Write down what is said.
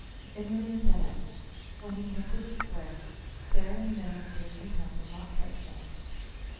Emelian set out. When he came to the square, there in the middle stood a new temple not quite finished.